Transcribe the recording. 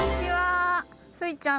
スイちゃん